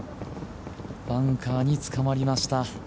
バンカーに捕まりました。